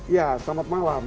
ya selamat malam